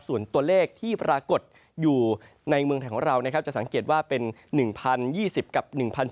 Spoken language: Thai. ส่วนตัวเลขที่ปรากฏอยู่ในเมืองไทยของเรานะครับจะสังเกตว่าเป็น๑๐๒๐กับ๑๔